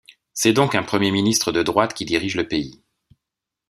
C'est donc un premier ministre de droite qui dirige le pays.